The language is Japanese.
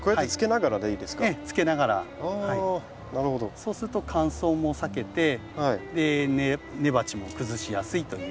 そうすると乾燥も避けて根鉢も崩しやすいという。